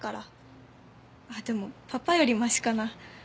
あっでもパパよりマシかな。